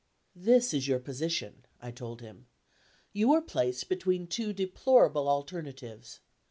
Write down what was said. "This is your position," I told him. "You are placed between two deplorable alternatives.